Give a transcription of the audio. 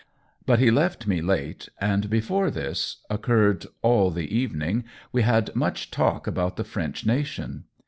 But he left me late, and before this occurred, all the evening, we had much talk about the French nation.